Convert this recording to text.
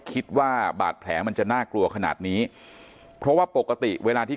คิดว่าบาดแผลมันจะน่ากลัวขนาดนี้เพราะว่าปกติเวลาที่